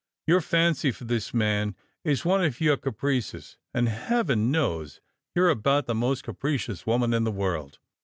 Your fancy for thia man is one of your capi ices : and Heaven knows you are about the most capricious woman in the world.